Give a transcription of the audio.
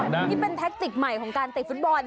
นี่เป็นแท็กติกใหม่ของการเตะฟุตบอล